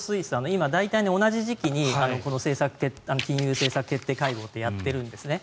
今、大体、同じ時期にこの金融政策決定会合ってやってるんですね。